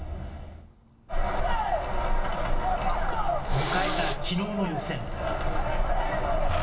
迎えたきのうの予選。